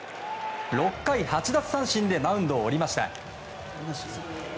６回８奪三振でマウンドを降りました。